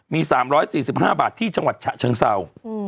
มี๓๔๕บาทที่จังหวัดฉะเชิงเศร้า